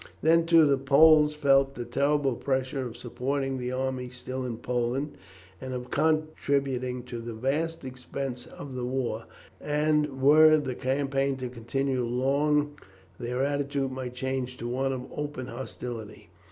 Then, too, the Poles felt the terrible pressure of supporting the army still in Poland, and of contributing to the vast expenses of the war, and were the campaign to continue long their attitude might change to one of open hostility.